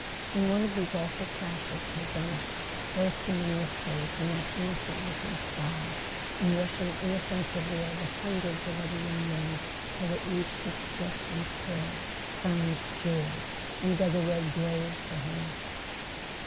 And one of these awful crashes had done it: bursting in mystery from [ 275 ] A SON AT THE FRONT that innocent looking sky, and rushing inoffensively over hundreds of other young men till it reached its destined prey, found George, and dug a red grave for him.